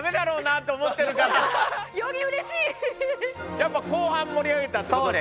やっぱ後半盛り上げたってことですか？